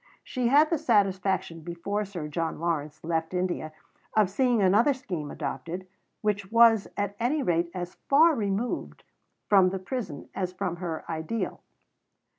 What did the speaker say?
She had the satisfaction before Sir John Lawrence left India of seeing another scheme adopted, which was at any rate as far removed from the Prison as from her Ideal.